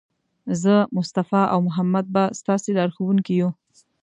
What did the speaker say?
زه، مصطفی او محمد به ستاسې لارښوونکي یو.